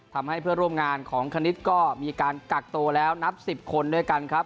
เพื่อนร่วมงานของคณิตก็มีการกักตัวแล้วนับ๑๐คนด้วยกันครับ